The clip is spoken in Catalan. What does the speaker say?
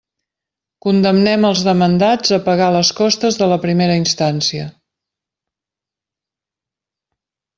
Condemnem als demandats a pagar les costes de la primera instància.